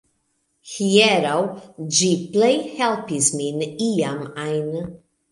Hieraŭ, ĝi plej helpis min iam ajn